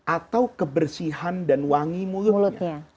atau kebersihan dan wangi mulut